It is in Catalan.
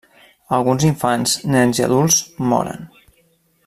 Alguns infants, nens i adults moren.